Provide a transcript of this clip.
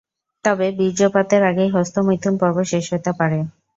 তবে বীর্যপাতের আগেই হস্তমৈথুন পর্ব শেষ হতে পারে।